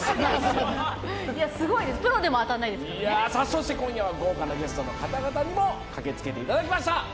そして今夜は豪華なゲストの方々にもお越しいただきました。